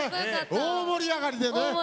大盛り上がりでね。